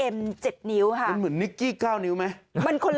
มันเหมือนนิกกี้เก้านิ้วไหม